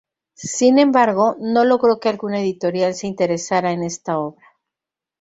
Sin embargo, no logró que alguna editorial se interesara en esta obra.